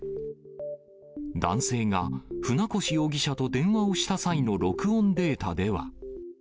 男性が船越容疑者と電話をした際の録音データでは。